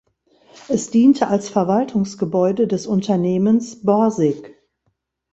Es diente als Verwaltungsgebäude des Unternehmens Borsig.